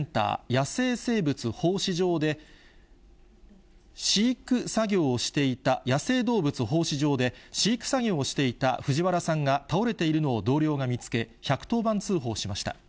野生生物放飼場で、飼育作業をしていた、野生動物放飼場で飼育作業をしていた藤原さんが倒れているのを同僚が見つけ、１１０番通報しました。